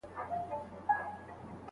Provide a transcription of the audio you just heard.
دولتمند که ډېر لیري وي خلک یې خپل ګڼي.